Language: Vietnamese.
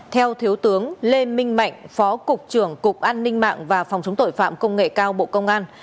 theo thiếu tướng lê minh mạnh phó cục trưởng cục an ninh mạng và phòng chống tội phạm công nghệ cao bộ công an